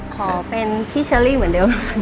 ขอเป็นพี่เชอรี่เหมือนเดิม